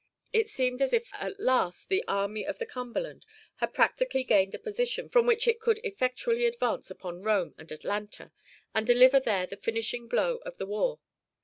It seemed as if at last the Army of the Cumberland had practically gained a position from which it could effectually advance upon Rome and Atlanta, and deliver there the finishing blow of the war.